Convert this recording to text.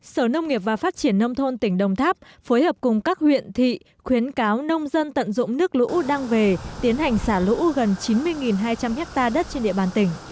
sở nông nghiệp và phát triển nông thôn tỉnh đồng tháp phối hợp cùng các huyện thị khuyến cáo nông dân tận dụng nước lũ đang về tiến hành xả lũ gần chín mươi hai trăm linh ha đất trên địa bàn tỉnh